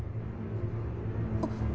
あっ！